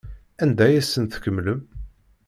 Anda ay asen-tkemmlem?